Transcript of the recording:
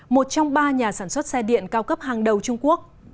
một trong ba nhà sản xuất xe điện cao cấp hàng đầu trung quốc